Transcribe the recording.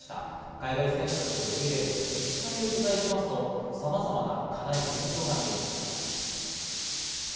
海外選手たちを受け入れる自治体を取材するとさまざまな課題、現状が見えてきました。